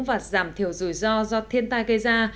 và giảm thiểu rủi ro do thiên tai gây ra